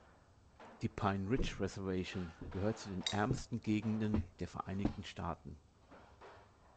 Die Pine Ridge Reservation gehört zu den ärmsten Gegenden der Vereinigten Staaten.